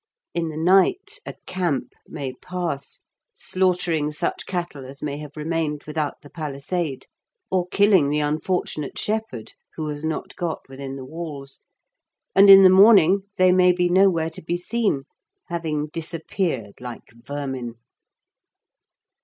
In the night a "camp" may pass, slaughtering such cattle as may have remained without the palisade, or killing the unfortunate shepherd who has not got within the walls, and in the morning they may be nowhere to be seen, having disappeared like vermin.